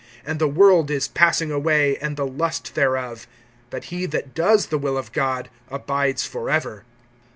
(17)And the world is passing away, and the lust thereof; but he that does the will of God abides forever.